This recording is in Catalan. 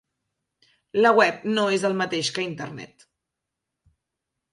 La web no és el mateix que Internet.